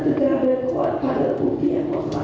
tegak berkuat pada bukti yang mulia